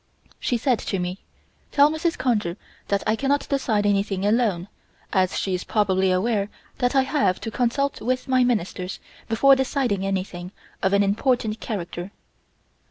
She said to me: "Tell Mrs. Conger that I cannot decide anything alone, as she is probably aware that I have to consult with my Ministers before deciding anything of an important character.